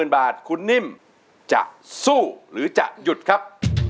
๐บาทคุณนิ่มจะสู้หรือจะหยุดครับ